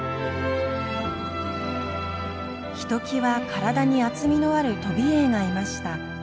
ひときわ体に厚みのあるトビエイがいました。